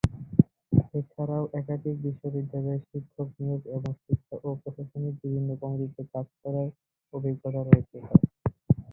এছাড়াও একাধিক বিশ্ববিদ্যালয়ে শিক্ষক নিয়োগ এবং শিক্ষা ও প্রশাসনিক বিভিন্ন কমিটিতে কাজ করার অভিজ্ঞতা রয়েছে তার।